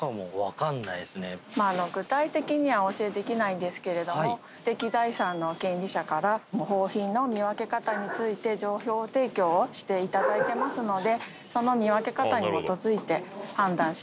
具体的にはお教えできないんですけれども知的財産の権利者から模倣品の見分け方について情報提供をしていただいてますのでその見分け方に基づいて判断しています。